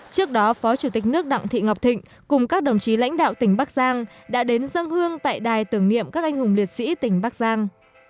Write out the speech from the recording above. trước đó phó chủ tịch nước đặng thị ngọc thịnh cùng các đồng chí lãnh đạo tỉnh bắc giang đã đến dân hương tại đài tưởng niệm các anh hùng liệt sĩ tỉnh bắc giang